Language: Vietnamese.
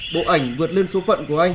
bộ ảnh vượt lên số phận của anh